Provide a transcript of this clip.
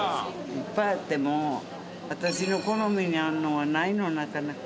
いっぱいあっても私の好みに合うのがないのなかなか。